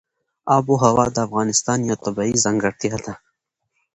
آب وهوا د افغانستان یوه طبیعي ځانګړتیا ده.